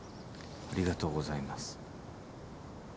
ありがとうございます。